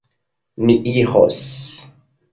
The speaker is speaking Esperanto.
Mi iros.